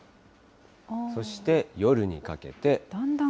そして夜にかけて。